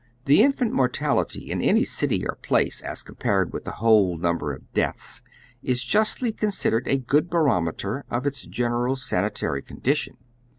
The infant mortality in any city or place as com pared with the whole number of deaths is justly consid ered a good barometer of its general sanitary condition.